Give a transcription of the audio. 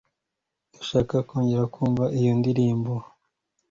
ndashaka kongera kumva iyo ndirimbo